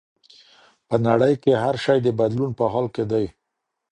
په نړۍ کي هر شی د بدلون په حال کي دی.